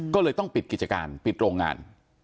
ก็เลยต้องปิดกิจการปิดโรงงาน